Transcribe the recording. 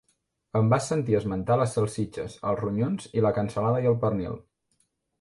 Em vas sentir esmentar les salsitxes, els ronyons i la cansalada i el pernil.